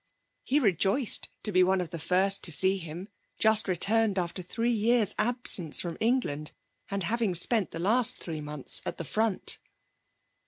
He rejoiced to be one of the first to see him, just returned after three years' absence from England, and having spent the last three months at the front.